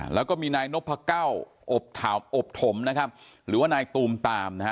แล้วก็มีนายนพเก้าอบถามอบถมนะครับหรือว่านายตูมตามนะฮะ